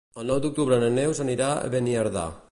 El nou d'octubre na Neus anirà a Beniardà.